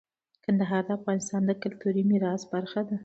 کندهار د افغانستان د کلتوري میراث برخه ده.